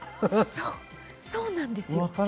そうなんですよ！